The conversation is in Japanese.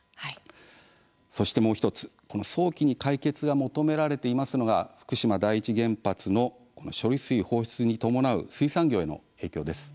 そして、もう１つ早期に解決が求められているのが福島第一原発の処理水放出に伴う水産業への影響です。